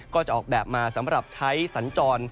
ก็จะออกแบบมาสำหรับใช้สัญจร